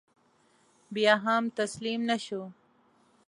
بیا هم تسلیم نه شو.